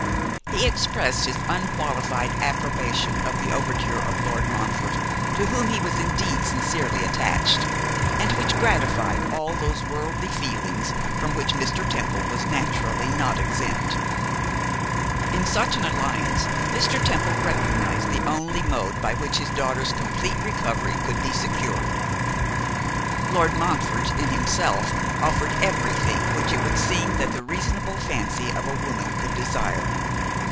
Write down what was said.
He expressed his unqualified approbation of the overture of Lord Montfort, to whom he was indeed sincerely attached, and which gratified all those worldly feelings from which Mr. Temple was naturally not exempt. In such an alliance Mr. Temple recognised the only mode by which his daughter's complete recovery could be secured. Lord Montfort in himself offered everything which it would seem that the reasonable fancy of woman could desire.